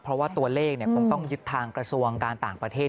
เพราะว่าตัวเลขคงต้องยึดทางกระทรวงการต่างประเทศ